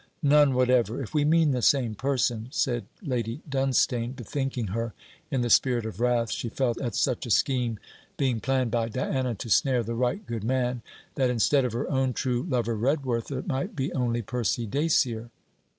'None whatever if we mean the same person,' said Lady Dunstane, bethinking her, in the spirit of wrath she felt at such a scheme being planned by Diana to snare the right good man, that instead of her own true lover Redworth, it might be only Percy Dacier.